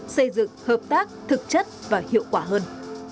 xây dựng hợp tác thực chất và hiệu quả hơn